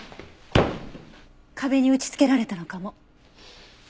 壁に打ち付けられたのかも。